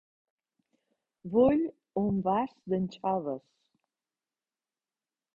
Vull un vas d'anxoves.